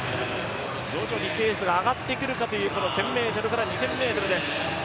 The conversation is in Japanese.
徐々にペースが上がってくるかという１０００ｍから２０００ｍです。